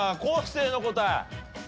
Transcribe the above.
生の答え。